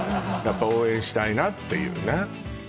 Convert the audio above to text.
やっぱ応援したいなっていうね